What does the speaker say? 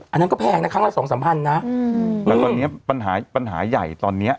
อันนั้นก็แพงนะครั้งละสองสามพันนะแต่ตอนนี้ปัญหาปัญหาใหญ่ตอนเนี้ย